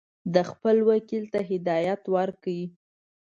ده خپل وکیل ته هدایت ورکړ.